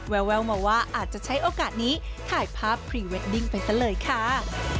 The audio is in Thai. แววมาว่าอาจจะใช้โอกาสนี้ถ่ายภาพพรีเวดดิ้งไปซะเลยค่ะ